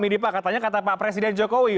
ini pak katanya kata pak presiden jokowi